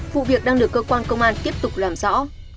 vụ việc đang được cơ quan công an tiếp tục làm rõ